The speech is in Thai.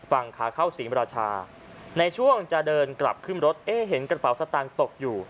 ฝั่งขาเข้าศรีมราชาในช่วงจะเดินกลับขึ้นรถเอ๊ะเห็นกระเป๋าสตางค์ตกอยู่